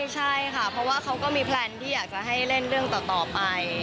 ใช่ค่ะเพราะว่าเขาก็มีแพลนที่อยากจะให้เล่นเรื่องต่อไป